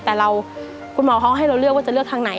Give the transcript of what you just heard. แต่คุณหมอเขาให้เราเลือกว่าจะเลือกทางไหน